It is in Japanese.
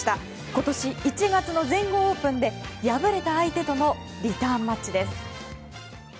今年１月の全豪オープンで敗れた相手とのリターンマッチです。